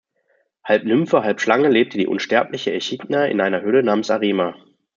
Halb Nymphe, halb Schlange, lebte die unsterbliche Echidna in einer Höhle namens Arima.